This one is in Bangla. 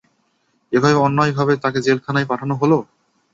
এভাবে অন্যায়ভাবে তাকে জেলখানায় পাঠানো হল।